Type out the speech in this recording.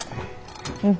うん。